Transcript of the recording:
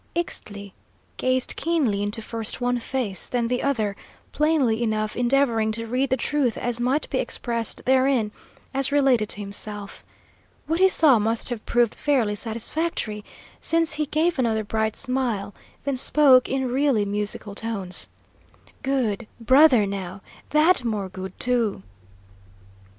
Ixtli gazed keenly into first one face, then the other, plainly enough endeavouring to read the truth as might be expressed therein, as related to himself. What he saw must have proved fairly satisfactory, since he gave another bright smile, then spoke in really musical tones: "Good, brother, now! That more good, too!"